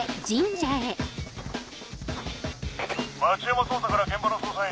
町山捜査から現場の捜査員。